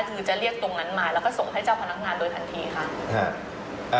คือจะเรียกตรงนั้นมาแล้วก็ส่งให้เจ้าพนักงานโดยทันทีค่ะ